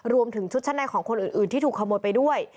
รวมถึงชุดชั้นในของคนอื่นที่ถูกขโมยไปด้วย